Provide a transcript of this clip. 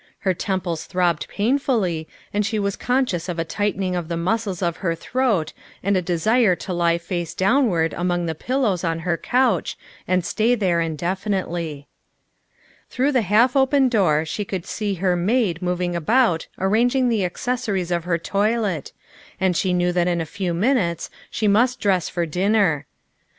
Her temples throbbed painfully and she was conscious of a tight ening of the muscles of her throat and a desire to lie face downward among the pillows on her couch and stay there indefinitely. Through the half open door she could see her maid moving about arranging the accessories of her toilet, and she knew that in a few minutes she must dress for din THE SECRETARY OF STATE 147 ner.